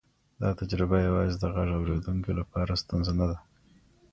دا تجربه یوازې د غږ اورېدونکي لپاره ستونزه نه ده.